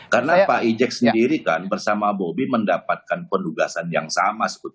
karena pak ijek sendiri kan bersama bobi mendapatkan penugasan yang sama sebetulnya